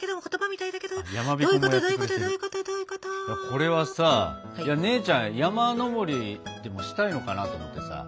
これはさ姉ちゃん山登りでもしたいのかなと思ってさ。